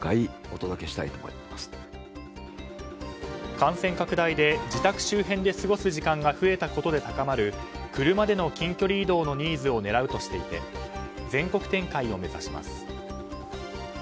感染拡大で、自宅周辺で過ごす時間が増えたことで高まる車での近距離移動のニーズを狙うとしていて全国展開を目指します。